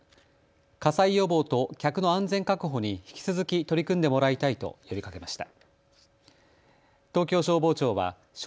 火災予防と客の安全確保に引き続き取り組んでもらいたいと呼びかけました。